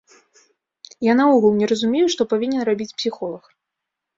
Я наогул не разумею, што павінен рабіць псіхолаг.